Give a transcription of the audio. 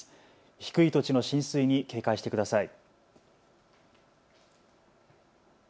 低い土地の浸水に警戒してください。